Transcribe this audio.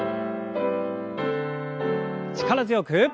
力強く。